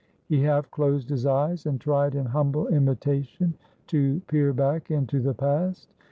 He half closed his eyes, and tried in humble imitation to peer back into the past.